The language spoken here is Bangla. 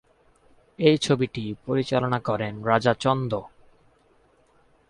এই ছবিটি পরিচালনা করেন রাজা চন্দ।